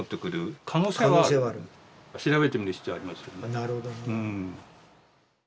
なるほどね。